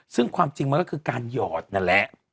ซึ่งความจริงมันก็คือการหยอดนั่นแหละ